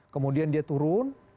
kemudian dia turun